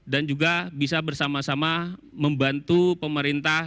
dan juga bisa bersama sama membantu pemerintah